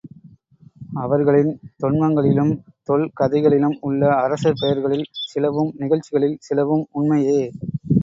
அவர்களின் தொன்மங்களிலும், தொல் கதைகளிலும் உள்ள அரசர் பெயர்களில் சிலவும், நிகழ்ச்சிகளில் சிலவும் உண்மையே!